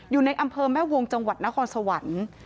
อยู่ในอำเภอแม่วงจังหวัดนครสวรรค์